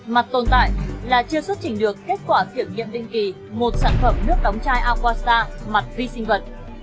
mặt tồn tại là chưa xuất trình được kết quả kiểm nghiệm định kỳ một sản phẩm nước đóng chai aquasa mặt vi sinh vật